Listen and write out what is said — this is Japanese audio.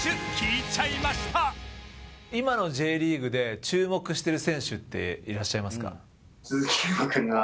今のＪリーグで注目してる選手っていらっしゃいますか？